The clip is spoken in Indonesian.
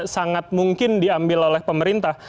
sangat mungkin diambil oleh pemerintah